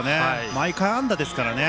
毎回安打ですからね。